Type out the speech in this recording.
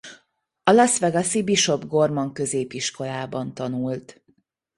A Las Vegas-i Bishop Gorman Középiskolában tanult.